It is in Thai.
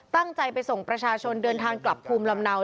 ตั้งใจไปส่งประชาชนเดินทางกลับภูมิลำเนา